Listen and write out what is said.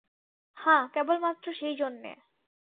হাঁ কেবলমাত্র সেইজন্যে।